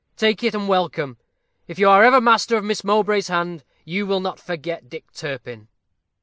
Take it and welcome. If you are ever master of Miss Mowbray's hand, you will not forget Dick Turpin."